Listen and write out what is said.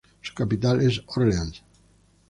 Su capital es Orleans.